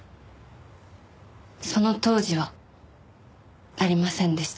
その当時はありませんでした。